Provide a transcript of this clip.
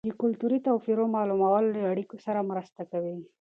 د کلتوري توپیرونو معلومول له اړیکو سره مرسته کوي.